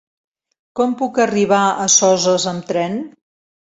Com puc arribar a Soses amb tren?